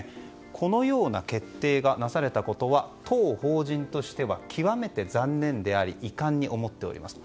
このような決定がなされたことは当法人としては極めて残念であり遺憾に思っております。